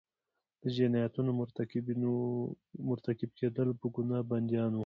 د جنایتونو مرتکبیدلو په ګناه بندیان وو.